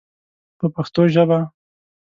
په پښتو ژبه.